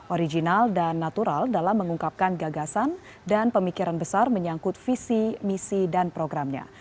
original dan natural dalam mengungkapkan gagasan dan pemikiran besar menyangkut visi misi dan programnya